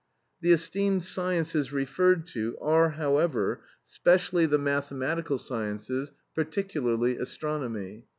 The esteemed sciences referred to are, however, specially the mathematical sciences, particularly astronomy.